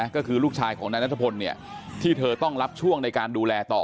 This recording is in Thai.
ก็คือลูกชายของนายนัทพลที่เธอต้องรับช่วงในการดูแลต่อ